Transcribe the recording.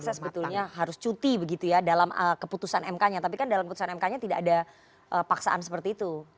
saya sebetulnya harus cuti begitu ya dalam keputusan mk nya tapi kan dalam keputusan mk nya tidak ada paksaan seperti itu